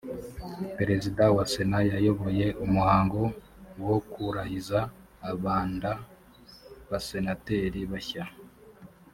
perezida wa sena yayoboye umuhango wo kurahiza abanda basenateri bashya